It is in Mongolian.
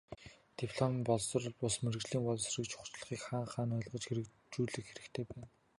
Дипломын боловсрол бус, мэргэжлийн боловсролыг чухлыг хаа хаанаа ойлгож хэрэгжүүлэх хэрэгтэй байна.